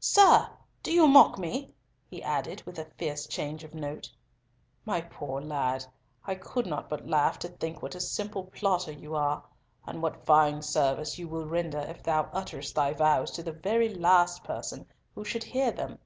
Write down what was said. Sir! do you mock me!" he added, with a fierce change of note. "My poor lad, I could not but laugh to think what a simple plotter you are, and what fine service you will render if thou utterest thy vows to the very last person who should hear them!